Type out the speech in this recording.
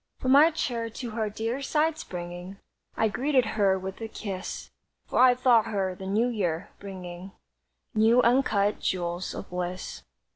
From my chair to her dear side springing, I greeted her with a kiss, For I thought her the New Year, bringing New uncut jewels of bliss.